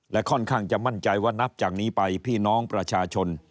และค่อนข้างจะมั่นใจว่านับจากนี้ไปพี่น้องประชาชน